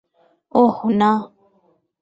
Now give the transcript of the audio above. ওহ, না!